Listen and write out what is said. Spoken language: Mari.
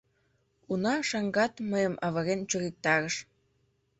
Уна, шаҥгат мыйым авырен чуриктарыш.